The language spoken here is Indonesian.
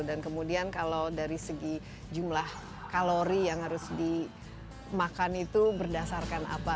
dan kemudian kalau dari segi jumlah kalori yang harus dimakan itu berdasarkan apa